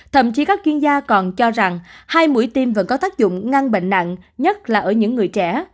thậm chí các chuyên gia còn cho rằng hai mũi tiêm vẫn có tác dụng ngăn bệnh nặng nhất là ở những người trẻ